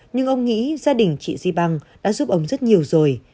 nhưng ông nghĩ gia đình chị zibang đã giúp ông rất nhiều rồi